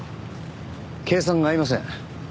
計算が合いません。